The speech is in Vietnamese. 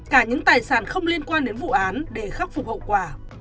cả những tài sản không liên quan đến vụ án để khắc phục hậu quả